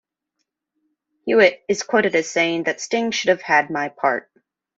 Hewitt is quoted as saying that Sting should have had my part.